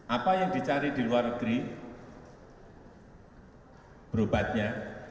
apa yang dicari di luar negeri berobatnya